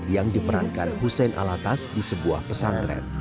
yang diperankan hussein alatas di sebuah pesantren